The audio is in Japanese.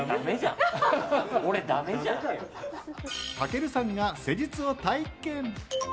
たけるさんが施術を体験。